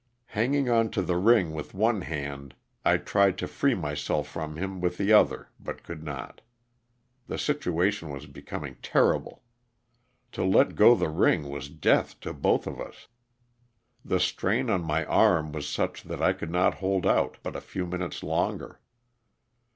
Hanging on to the ring with one hand I tried to free myself from him with the other but could not. The situation was becoming terrible. To let go the ring was death to both of us. The strain on my arm was such that I could not hold out but a few minutes longer.